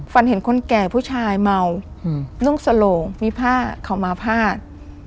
ฝันเห็นคนแก่ผู้ชายเมานุ่งสโหลงมีผ้าขาวมาพาด